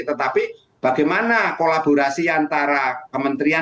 tetapi bagaimana kolaborasi antara kementerian